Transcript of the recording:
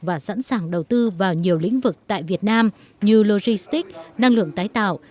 và sẵn sàng đầu tư vào nhiều lĩnh vực tại việt nam như logistics năng lượng tái tạo